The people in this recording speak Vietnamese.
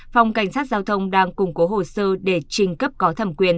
phòng cảnh sát giao thông đang củng cố hồ sơ để trình cấp có thẩm quyền